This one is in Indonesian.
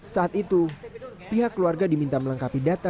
saat itu pihak keluarga diminta melengkapi data